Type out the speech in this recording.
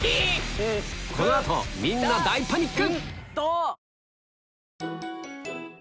この後みんな大パニック！